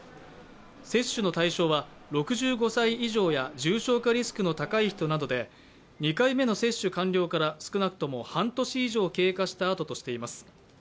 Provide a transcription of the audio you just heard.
接種の対象は、６５歳以上や重症化リスクの高い人などで、２回目の接種完了から少なくとも半年以上経過したあととしています。